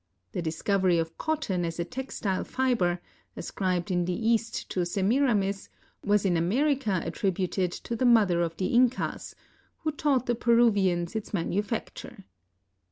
The discovery of cotton as a textile fiber, ascribed in the East to Semiramis, was in America attributed to the mother of the Incas, who taught the Peruvians its manu facture.